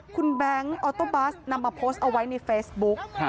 คุณแบงค์ออโต้บัสนำมาโพสต์เอาไว้ในเฟซบุ๊ก